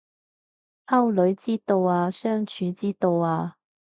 溝女之道啊相處之道啊